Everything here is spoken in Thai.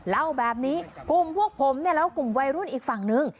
เล่าแบบนี้กลุ่มพวกผมเนี่ยแล้วกลุ่มวัยรุ่นอีกฝั่งนึง